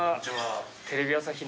テレビ朝日